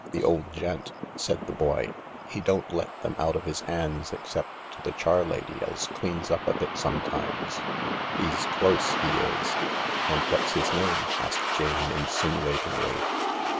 The old gent," said the boy. " He don't let them out of his 'ands except to the charlady as cleans up a bit sometimes. He's close, he is." "And what's his name ?" asked Jane insinuatingly.